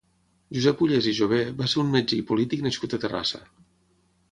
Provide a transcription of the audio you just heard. Josep Ullés i Jover va ser un metge i polític nascut a Terrassa.